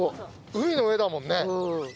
海の上だもんね。